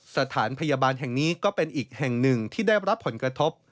สถานพยาบาลแห่งนี้ก็เป็นอีกแห่งหนึ่งที่ได้รับผลกระทบ